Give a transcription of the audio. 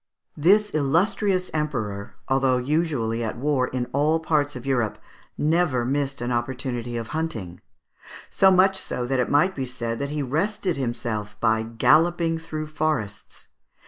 This illustrious Emperor, although usually at war in all parts of Europe, never missed an opportunity of hunting: so much so that it might be said that he rested himself by galloping through the forests.